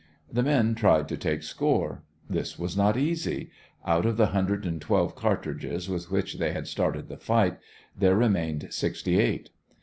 The men tried to take score. This was not easy. Out of the hundred and twelve cartridges with which they had started the fight, there remained sixty eight.